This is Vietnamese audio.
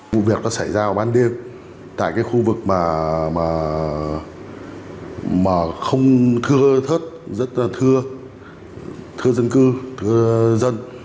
vụ việc đã xảy ra vào ban đêm tại khu vực mà không thưa thất rất là thưa dân cư thưa dân